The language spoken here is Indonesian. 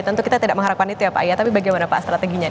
tentu kita tidak mengharapkan itu ya pak ya tapi bagaimana pak strateginya